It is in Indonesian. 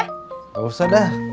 tidak usah dah